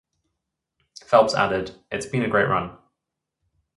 Phelps added: It's been a great run.